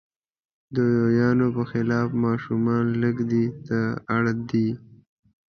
د لویانو پر خلاف ماشومان لږ دې ته اړ دي.